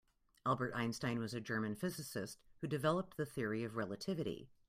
Albert Einstein was a German physicist who developed the Theory of Relativity.